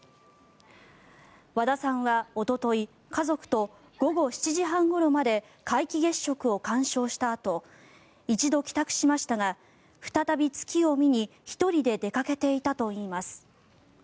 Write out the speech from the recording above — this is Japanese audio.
和田さんはおととい、家族と午後７時半ごろまで皆既月食を鑑賞したあと一度帰宅しましたが再び月を見に１人で出かけていたといいます。